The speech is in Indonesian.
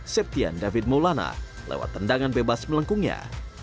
septian david maulana lewat tendangan bebas melengkungnya